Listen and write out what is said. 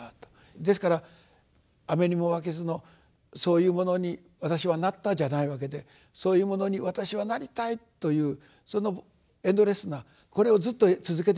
ですから「雨ニモマケズ」の「そういうものに私は『なった』」じゃないわけで「そういうものに私は『なりたい』」というそのエンドレスな。これをずっと続けていきたい。